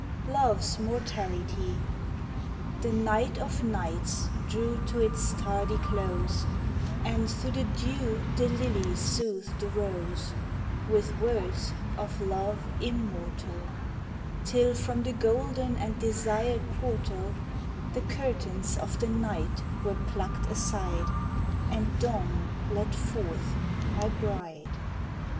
68 LOVE'S MORTALITY THE night of nights drew to its tardy close And through the dew the lily soothed the rose With words of love immortal, Till from the golden and desired portal The curtains of the night were plucked aside, And dawn led forth my bride.